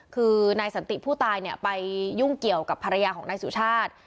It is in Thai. คือนายสันติผู้ตายไปยุ่งเกี่ยวกับภรรยาของนายสุชาติ